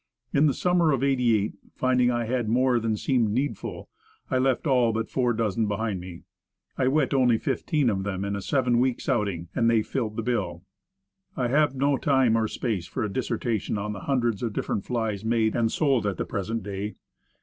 In the summer of '8$, finding I had more than seemed needful, I left all but four dozen behind me. I wet only fifteen of them in a seven The Best Flies, 53 weeks' outing. And they filled the bill. I have no time or space for a dissertation on the hundreds of different flies made and sold at the present day.